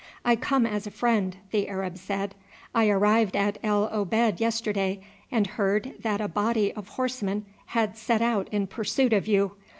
"I come as a friend," the Arab said. "I arrived at El Obeid yesterday and heard that a body of horsemen had set out in pursuit of you.